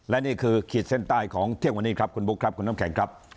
และนี่คือขีดเส้นใต้ของเที่ยงวันนี้ครับคุณบุ๊คครับคุณน้ำแข็งครับ